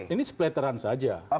ini splateran saja